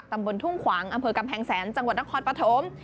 ตำบลทุ่งขวางอำเภอกำแพงแสนจังหวัดนครปฐม